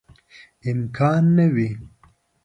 امکان نه وي.